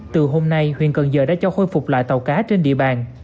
từ hôm nay huyện cần giờ đã cho khôi phục lại tàu cá trên địa bàn